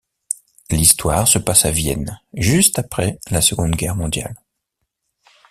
L'histoire se passe à Vienne juste après la Seconde Guerre mondiale.